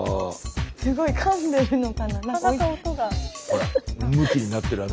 すごいかんでるのかな？